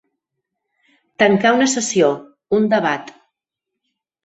Tancar una sessió, un debat.